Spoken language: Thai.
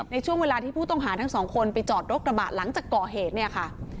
ในช่วงเวลาที่ผู้ต้องหาทั้งสองคนไปจอดรถกระบะหลังจากก่อเหตุเนี่ยค่ะ